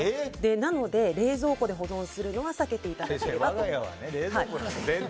なので、冷蔵庫で保存するのは避けていただければと。